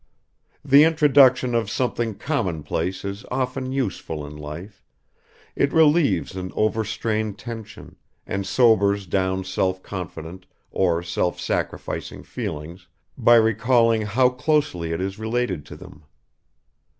The introduction of something commonplace is often useful in life; it relieves an overstrained tension, and sobers down self confident or self sacrificing feelings by recalling how closely it is related to them.